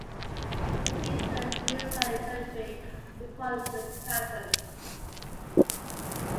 He is interred at Hillside Cemetery, Ripon, Wisconsin.